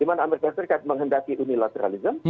dimana amerika serikat menghendaki unilateralism